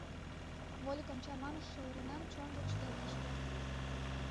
Вольыкым чаманыше Оринан чонжо чытен ыш керт.